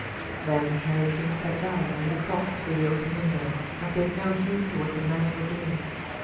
Then Harry King sat down and looked off through the open window, and paid no heed to what the men were doing.